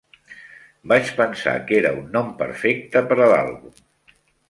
Vaig pensar que era un nom perfecte per a l'àlbum.